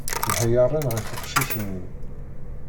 Nḥeyyaṛen ɣef uqcic-nni.